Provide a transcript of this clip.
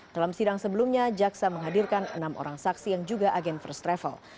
dalam sidang sebelumnya jaksa menghadirkan enam orang saksi yang juga agen first travel